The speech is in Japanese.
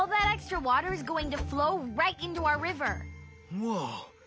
うわ！